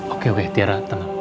oke oke tiara tenang